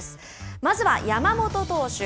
まずは山本投手。